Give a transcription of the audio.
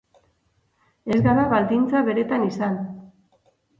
Ez gara baldintza beretan izan.